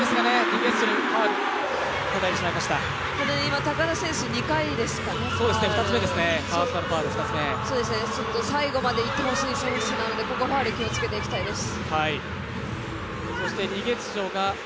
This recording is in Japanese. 今、高田選手２回ですかね、ファウル最後までいてほしい選手なので、ここは気をつけてほしいです。